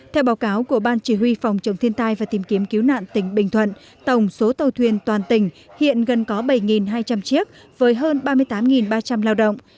theo báo cáo của ban chỉ huy phòng chống thiên tai và tìm kiếm cứu nạn tỉnh bình thuận tổng số tàu thuyền toàn tỉnh hiện gần có bảy hai trăm linh chiếc với hơn ba mươi tám ba trăm linh lao động